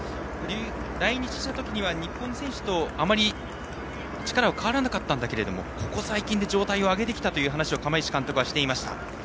来日した時には日本選手とあまり力は変わらなかったんだけれどもここ最近で状態を上げてきたと釜石監督は話していました。